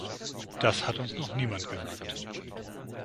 Das uns noch niemand gesagt.